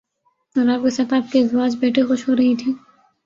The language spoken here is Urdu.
اور آپ کے ساتھ آپ کی ازواج بیٹھی خوش ہو رہی تھیں